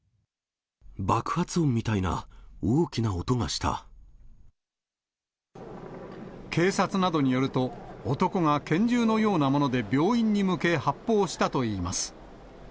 爆発音みたいな大きな音がし警察などによると、男が拳銃のようなもので病院に向け、発砲したといいます。